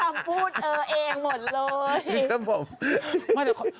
พี่หมดดำพูดเออเองหมดเลย